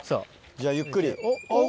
じゃあゆっくり。